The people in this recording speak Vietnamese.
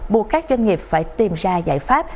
buộc các doanh nghiệp phải tìm ra giải pháp